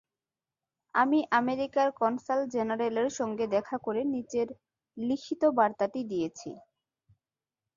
আমি আমেরিকার কনসাল জেনারেলের সঙ্গে দেখা করে নিচের লিখিত বার্তাটি দিয়েছি।